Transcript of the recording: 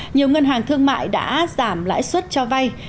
nhiều ngân hàng thương mại đã giảm lãi suất cho vay